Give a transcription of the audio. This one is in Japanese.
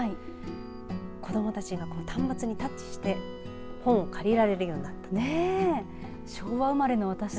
子どもたちが端末にタッチして本を借りられるようになった。